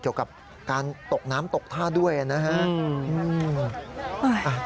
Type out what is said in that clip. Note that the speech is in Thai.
เกี่ยวกับการตกน้ำตกท่าด้วยนะฮะ